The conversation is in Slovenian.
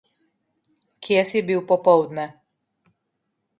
Kje si bil popoldne?